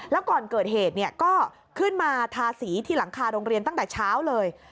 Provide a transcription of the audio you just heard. แล้วก่อนเกิดเหตุก็ขึ้นมาทาสีที่หลังคาโรงเรียนตั้งแต่เช้าเลย